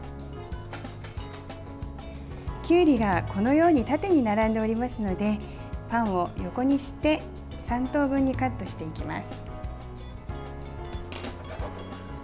きゅうりが、このように縦に並んでおりますのでパンを横にして３等分にカットしていきます。